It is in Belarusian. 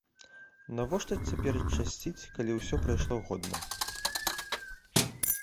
Навошта цяпер часціць, калі ўсё прайшло годна?